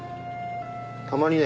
たまにね